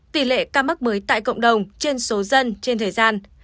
tỷ lệ ca mắc mới tại cộng đồng trên số dân trên thời gian